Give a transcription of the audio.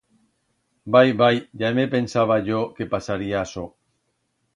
Vai, vai, ya me pensaba yo que pasaría asó.